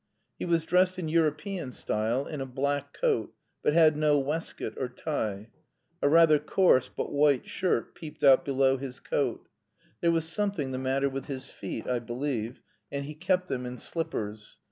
He was dressed in European style, in a black coat, but had no waistcoat or tie. A rather coarse, but white shirt, peeped out below his coat. There was something the matter with his feet, I believe, and he kept them in slippers.